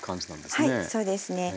はいそうですね。